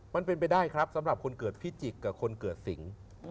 มันเป็นไปได้ครับสำหรับคนเกิดพิจิกษ์กับคนเกิดสิง